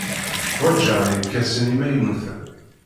Ḥwajeɣ irkasen imaynuten.